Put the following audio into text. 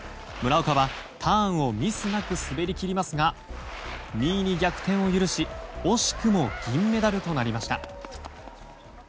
村岡はターンをミスなく滑りきりますが２位に逆転を許し惜しくも銀メダルとなりました。